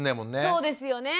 そうですよね。